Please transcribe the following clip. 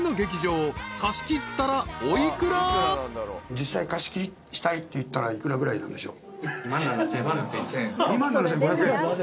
実際貸し切りしたいっていったら幾らぐらいなんでしょ？